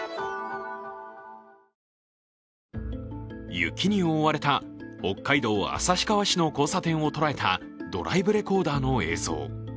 雪に覆われた北海道旭川市の交差点を捉えたドライブレコーダーの映像。